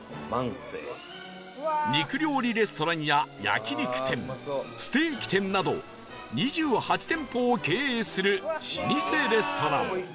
肉料理レストランや焼き肉店ステーキ店など２８店舗を経営する老舗レストラン